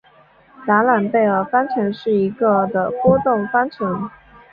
达朗贝尔方程是一个的波动方程。